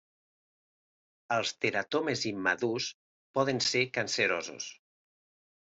Els teratomes immadurs poden ser cancerosos.